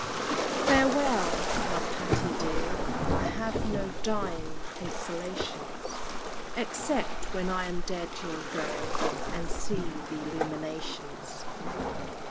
"Farewell, my Patty dear, I have No dying consolations, Except, when I am dead, you'll go And see th' Illuminations."